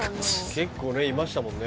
結構ねいましたもんね。